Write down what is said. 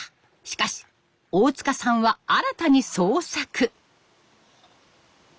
しかし大塚さんは新たに創作！